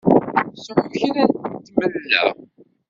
Sεu kra n tmella!